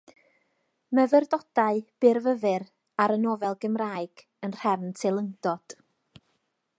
Myfyrdodau byrfyfyr ar y nofel Gymraeg, yn nhrefn teilyngdod.